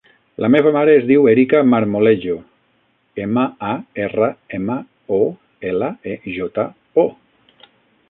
La meva mare es diu Erica Marmolejo: ema, a, erra, ema, o, ela, e, jota, o.